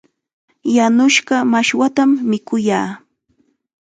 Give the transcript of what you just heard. Yanushqa mashwatam mikuyaa.